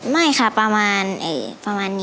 ไม่ค่ะประมาณนี้